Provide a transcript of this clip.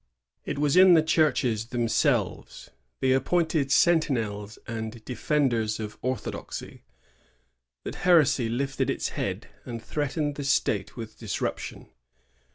It was in the churches themselves, the appointed sentinels and defenders of orthodoxy, that heresy lifted its head and threatened the State with disrup tion.